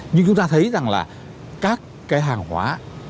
nhưng chúng ta thấy rằng là các cái hàng hóa